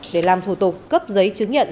để làm thủ tục cấp giấy chứng nhận